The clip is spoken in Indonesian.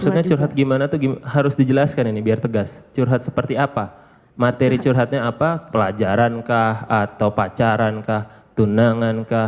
maksudnya curhat gimana tuh harus dijelaskan ini biar tegas curhat seperti apa materi curhatnya apa pelajaran kah atau pacaran kah tunangan kah